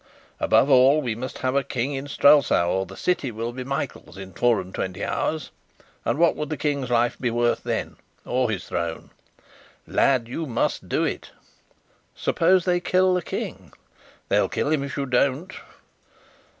Above all, we must have a King in Strelsau, or the city will be Michael's in four and twenty hours, and what would the King's life be worth then or his throne? Lad, you must do it!" "Suppose they kill the King?" "They'll kill him, if you don't."